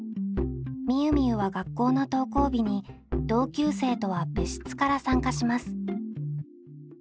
みゆみゆは学校の登校日に同級生とは別室から参加します。